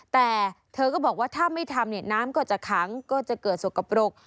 แต่เธอก็บอกว่าถ้าไม่ทำเนี่ยน้ำก็จะขังก็จะเกิดสกปรก